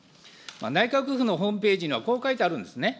内閣府のホームページにはこう書いてあるんですね。